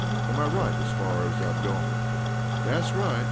Am I right as far as I've gone?" "Dat's right!"